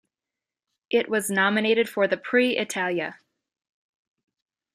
It was nominated for the Prix Italia.